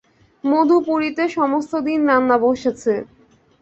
মধুপুরীতে সমস্তদিন রান্না বসেছে।